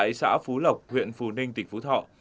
nguyễn thành nam đã phá phú lọc huyện phù ninh tỉnh phú thọ